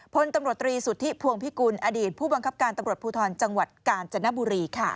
พลตำรวจตรีสุทธิพวงพิกุลอดีตผู้บังคับการตำรวจภูทรจังหวัดกาญจนบุรี